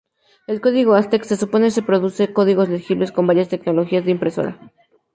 El código Aztec se supone que produce códigos legibles con varias tecnologías de impresora.